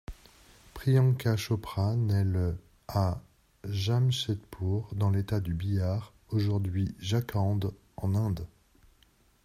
Priyanka Chopra naît le à Jamshedpur, dans l'État du Bihar, aujourd'hui Jharkhand, en Inde.